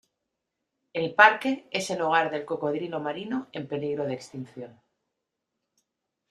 El parque es el hogar del cocodrilo marino en peligro de extinción.